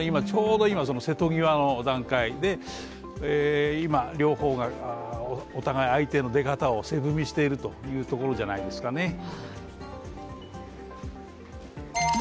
ちょうど今、その瀬戸際の段階で今、両方がお互い相手の出方を瀬踏みしているというところじゃないですかね。